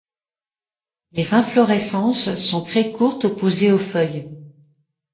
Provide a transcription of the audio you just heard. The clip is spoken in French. Les inflorescences sont très courtes opposées aux feuilles.